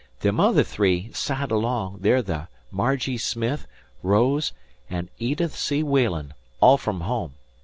Them other three, side along, they're the Margie Smith, Rose, and Edith S. Walen, all from home.